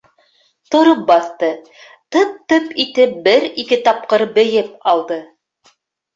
Тороп баҫты, тып-тып итеп бер-ике тапҡыр бейеп алды.